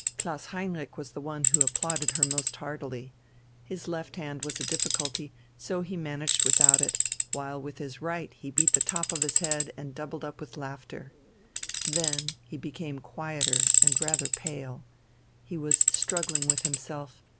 Klaus Heinrich was the one who applauded her most heartily. His left hand was a difficulty, and so he managed without it, while with his right he beat on the top of his head and doubled up with laughter. Then he became quieter and rather pale. He was struggling with himself....